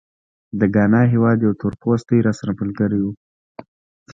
د ګانا هېواد یو تورپوستی راسره ملګری و.